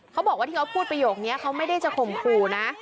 เขาบอกว่าที่เขาพูดประโยคนี้เขาไม่ได้จะข่มขู่นะ